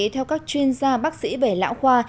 theo các chuyên gia bác sĩ vẻ lão khoa